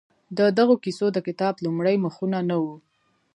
د دغو کیسو د کتاب لومړي مخونه نه وو؟